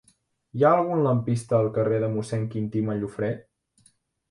Hi ha algun lampista al carrer de Mossèn Quintí Mallofrè?